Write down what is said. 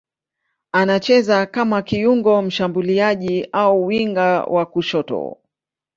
Anacheza kama kiungo mshambuliaji au winga wa kushoto.